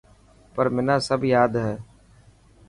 پر منا سب ياد هي.